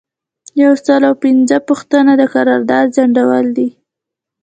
یو سل او پنځمه پوښتنه د قرارداد ځنډول دي.